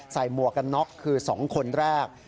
หมวกกันน็อกคือ๒คนแรก